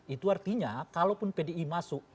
itu artinya kalau pun pdi masuk